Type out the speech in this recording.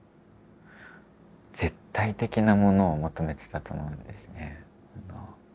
絶対的なものを求めてたと思うんですね。